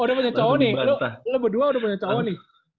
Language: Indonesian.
udah punya cowok nih lo lo berdua udah punya cowok nih